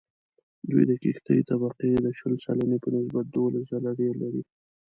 دوی د کښتې طبقې د شل سلنې په نسبت دوولس ځله ډېر لري